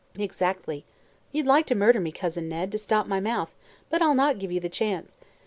"Exactly. You'd like to murder me, Cousin Ned, to stop my mouth, but I'll not give you the chance.